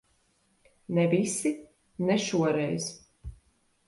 Ne visi. Ne šoreiz.